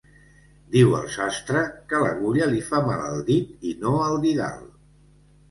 Diu el sastre que l'agulla li fa mal al dit i no el didal.